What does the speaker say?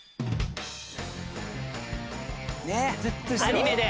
アニメで。